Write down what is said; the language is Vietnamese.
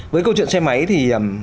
với câu chuyện xe máy thì